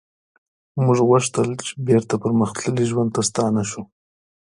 موږ غوښتل چې بیرته پرمختللي ژوند ته ستانه شو